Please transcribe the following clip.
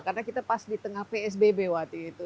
karena kita pas di tengah psbb waktu itu